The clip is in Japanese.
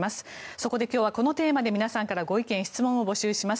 そこで今日はこのテーマで皆さんからご意見・質問を募集します。